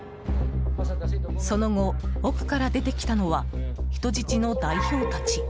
その後、奥から出てきたのは人質の代表たち。